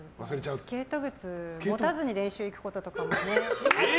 スケート靴を持たずに練習に行くこととかも。